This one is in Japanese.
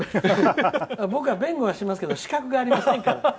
僕は弁護はしますけど資格がありませんから。